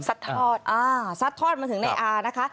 สัดทอดสัดทอดมาถึงในอานะคะ